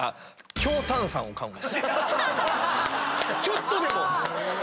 ちょっとでも！